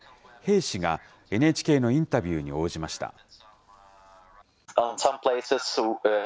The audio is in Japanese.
兵士が、ＮＨＫのインタビューに応じました。